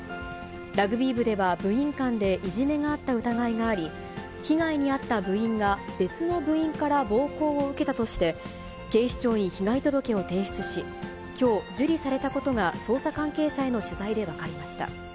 ラグビー部では部員間でいじめがあった疑いがあり、被害に遭った部員が別の部員から暴行を受けたとして、警視庁に被害届けを提出し、きょう、受理されたことが、捜査関係者への取材で分かりました。